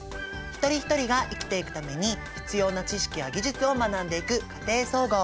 一人一人が生きていくために必要な知識や技術を学んでいく「家庭総合」。